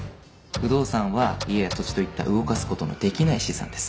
不動産は家や土地といった動かす事のできない資産です。